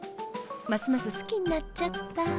ますます好きになっちゃった。